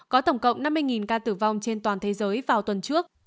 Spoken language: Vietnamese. có tổng cộng năm mươi ca tử vong trên toàn thế giới vào tuần trước